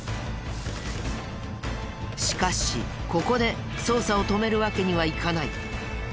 しかしここで捜査を止めるわけにはいかない。